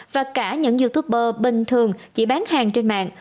và cả những youtuber bình thường chỉ bán hàng trên mạng